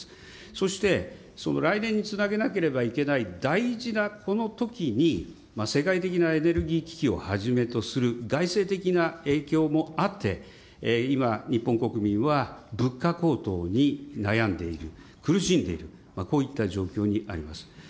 そして、来年につなげなければいけない大事なこのときに、世界的なエネルギー危機をはじめとする、外生的な影響もあって、今、日本国民は物価高騰に悩んでいる、苦しんでいる、こういった状況にあります。